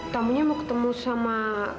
tamunya mau ketemu sama